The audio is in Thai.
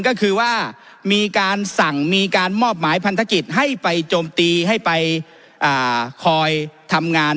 ก็คือว่ามีการสั่งมีการมอบหมายพันธกิจให้ไปโจมตีให้ไปคอยทำงาน